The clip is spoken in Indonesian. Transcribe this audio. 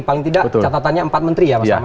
paling tidak catatannya empat menteri ya mas tama ya